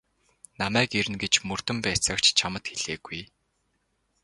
Намайг ирнэ гэж мөрдөн байцаагч чамд хэлээгүй.